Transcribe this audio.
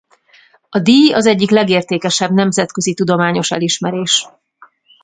A díj az egyik legértékesebb nemzetközi tudományos elismerés.